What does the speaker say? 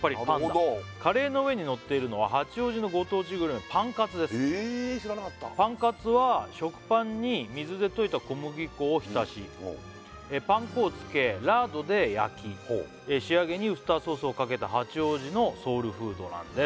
なるほど「カレーの上にのっているのは八王子のご当地グルメ」「パンカツです」へえ知らなかった「パンカツは食パンに水で溶いた小麦粉をひたし」「パン粉をつけラードで焼き」「仕上げにウスターソースをかけた八王子のソウルフードなんです」